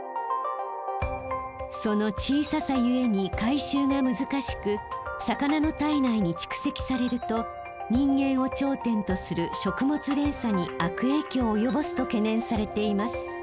その小ささゆえに回収が難しく魚の体内に蓄積されると人間を頂点とする食物連鎖に悪影響を及ぼすと懸念されています。